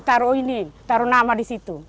taruh ini taruh nama di situ